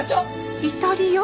イタリア？